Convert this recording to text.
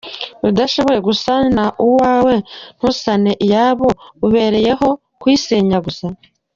Udashoboye gusana uwawe ngo usane iyabo, ubereye ho kuyisenya gusa?